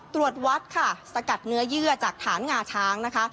ตรวจวัดค่ะสกัดเนื้อเยื่อจากฐานงาช้างนะคะ